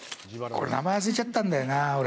これ、名前忘れちゃったんだよなあ、俺。